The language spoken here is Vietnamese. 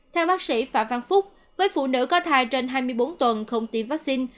theo bác sĩ phạm văn phúc với phụ nữ có thai trên hai mươi bốn tuần không tiêm vaccine